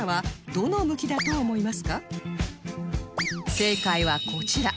正解はこちら